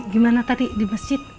gimana tadi di masjid